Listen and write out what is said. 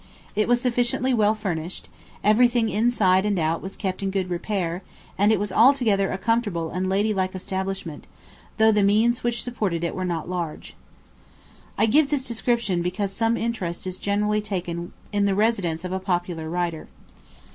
It was sufficiently well furnished; everything inside and out was kept in good repair, and it was altogether a comfortable and ladylike establishment, though the means which supported it were not large. I give this description because some interest is generally taken in the residence of a popular writer.